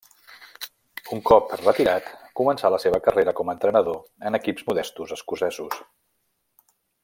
Un cop retirat començà la seva carrera com a entrenador en equips modestos escocesos.